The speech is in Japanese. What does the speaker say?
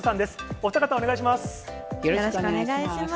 お二方、お願いします。